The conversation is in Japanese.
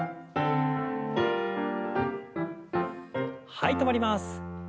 はい止まります。